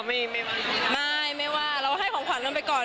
ไม่ได้ไปไหน